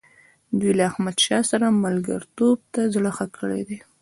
دوی له احمدشاه سره ملګرتوب ته زړه ښه کړی دی.